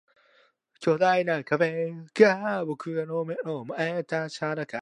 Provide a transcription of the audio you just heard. The comma which musical temperaments often refer to tempering is the Pythagorean comma.